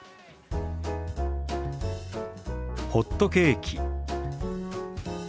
「ホットケーキ」。